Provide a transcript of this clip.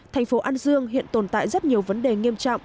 thành phố an dương hiện tồn tại rất nhiều vấn đề nghiêm trọng